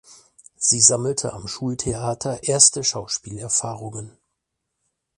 Sie sammelte am Schultheater erste Schauspielerfahrungen.